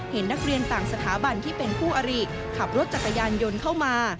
เห็นนักเรียนต่างสถาบันที่เป็นคู่อริขับรถจักรยานยนต์เข้ามา